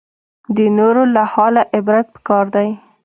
د نورو له حاله عبرت پکار دی